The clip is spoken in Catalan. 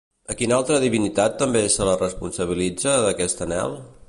A quina altra divinitat també se la responsabilitza d'aquest anhel?